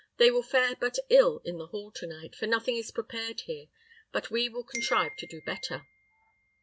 They will fare but ill in the hall to night; for nothing is prepared here; but we will contrive to do better."